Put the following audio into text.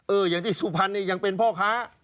อย่างที่สุพรรณนี่ยังเป็นพ่อค้า